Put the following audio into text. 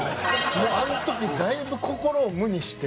あの時だいぶ心を無にして。